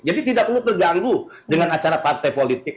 jadi tidak perlu terganggu dengan acara partai politik